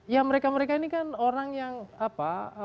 ya mereka mereka ini kan orang yang apa